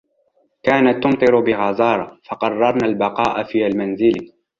كانت تُمطر بغزارة فقررنا البقاء في المنزل.